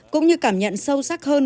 cũng như cảm nhận sâu sắc hơn